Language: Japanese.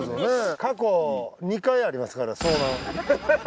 過去２回ありますから遭難。